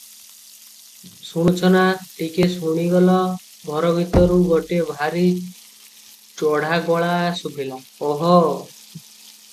ଶୁଣୁଛ ନା – ଟିକିଏ ଶୁଣିଗଲ!” ଘର ଭିତରୁ ଗୋଟାଏ ଭାରି ଚଢ଼ା ଗଳା ଶୁଭିଲା, “ଓହୋ!